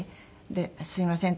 で「すいません」